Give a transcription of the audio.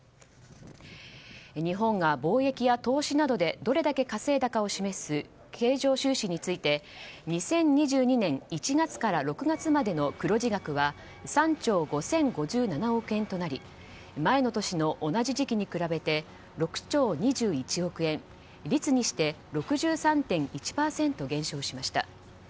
日本が貿易や投資などでどれだけ稼いだかを示す経常収支について２０２２年１月から６月までの黒字額は３兆５０５７億円となり前の年の同じ時期に比べて６兆２１億円率にして６３．１％減少しました。